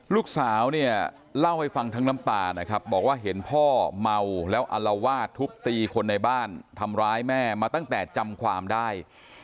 แล้วอารวาสทุบตีคนในบ้านทำร้ายแม่มาตั้งแต่จำความได้